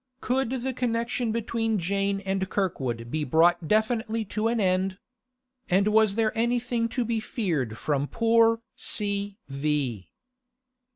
Could the connection between Jane and Kirkwood be brought definitely to an end. And was anything to be feared from poor 'C. V.